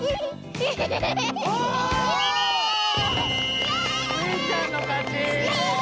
おお！スイちゃんのかち！